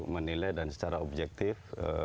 menilai dan secara objektif